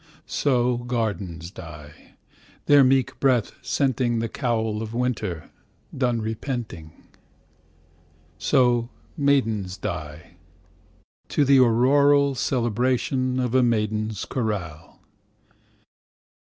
So gardens die, their meek breath scentingThe cowl of Winter, done repenting. So maidens die, to the auroralCelebration of a maiden's choral.